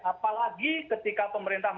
apalagi ketika pemerintah